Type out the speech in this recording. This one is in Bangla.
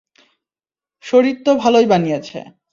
শরীর তো ভালোই বানিয়েছে।